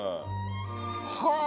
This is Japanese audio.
はあ！